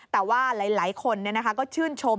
แต่ว่าหลายคนเนี่ยนะคะก็ชื่นชม